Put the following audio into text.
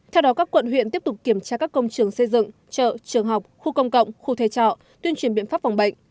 theo đó các quận huyện tiếp tục kiểm tra các công trường xây dựng chợ trường học khu công cộng khu thuê trọ tuyên truyền biện pháp phòng bệnh